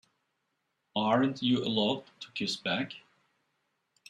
Aren't you allowed to kiss back?